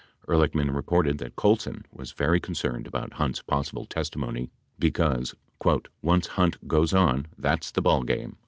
Ehrlichman reported that Colson was very concerned about Hunt's possible testimony be cause "once Hunt goes on, that's the ball game."